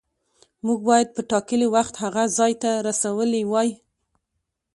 موږ باید په ټاکلي وخت هغه ځای ته رسولي وای.